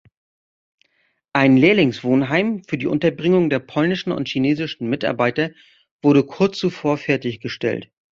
Ein Lehrlingswohnheim für die Unterbringung der polnischen und chinesischen Mitarbeiter wurde kurz zuvor fertiggestellt.